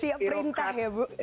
siap perintah ya bu